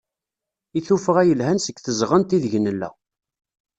I tuffɣa yelhan seg tezɣent ideg nella.